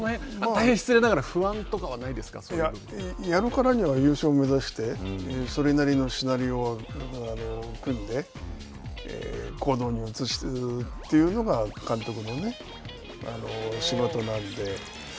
大変失礼ながら、不安とかはないやるからには優勝を目指してそれなりのシナリオは組んで行動に移すというのが監督の仕事なので。